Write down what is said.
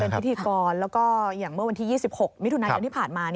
พิธีกรแล้วก็อย่างเมื่อวันที่๒๖มิถุนายนที่ผ่านมา